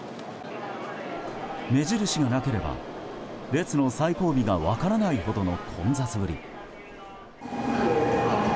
目印がなければ列の最後尾が分からないほどの混雑ぶり。